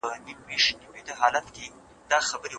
دا ستا خواږه ـ خواږه کاته مې په زړه بد لگيږي